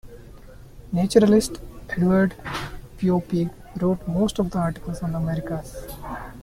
Naturalist Eduard Poeppig wrote most of the articles on the Americas.